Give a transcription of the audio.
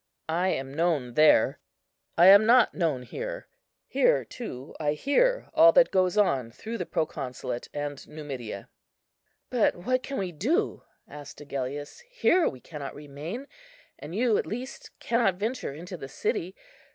I am known there, I am not known here. Here, too, I hear all that goes on through the proconsulate and Numidia." "But what can we do?" asked Agellius; "here we cannot remain, and you at least cannot venture into the city.